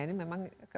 ini memang kebetulan